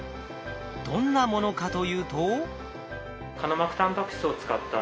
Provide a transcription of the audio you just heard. どんなものかというと。